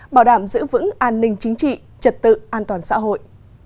bảo đảm giữ vững an ninh chính trị trật tự an toàn xã hội